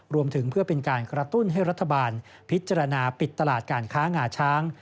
รวมถึงเพื่อเป็นการกระตุ้นให้รัฐบาลพิจารณาปิดตลาดการค้างาช้าง